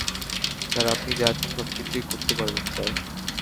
Sir, আপনি যা চান সবকিছুই করতে পারবেন, স্যার।